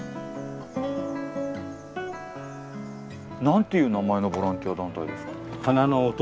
何ていう名前のボランティア団体ですか？